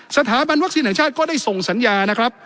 สถาบันวัคซีนแห่งชาติก็ได้ส่งสัญญานะครับ